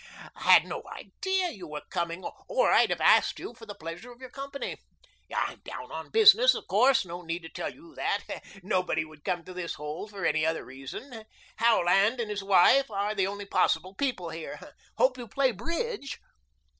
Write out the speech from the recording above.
Had no idea you were coming or I'd have asked you for the pleasure of your company. I'm down on business, of course. No need to tell you that nobody would come to this hole for any other reason. Howland and his wife are the only possible people here. Hope you play bridge."